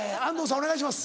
お願いします。